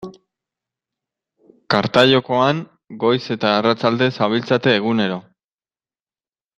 Karta jokoan goiz eta arratsalde zabiltzate egunero.